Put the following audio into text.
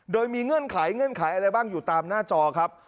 โดยมีเงื่อนไขอะไรบ้างอยู่ตามหน้าจอครับ